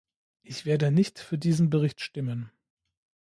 Ich werde nicht für diesen Bericht stimmen.